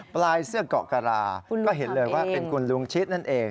ปลายเสื้อเกาะกะราก็เห็นเลยว่าเป็นคุณลุงชิดนั่นเอง